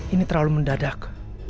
ini terlalu mendadak